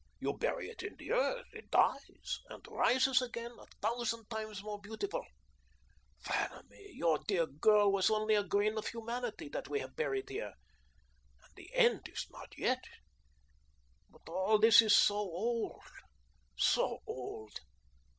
You bury it in the earth. It dies, and rises again a thousand times more beautiful. Vanamee, your dear girl was only a grain of humanity that we have buried here, and the end is not yet. But all this is so old, so old.